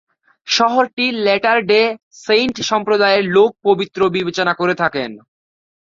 শহরটি latter day saint সম্প্রদায়ের লোক পবিত্র বিবেচনা করে থাকেন।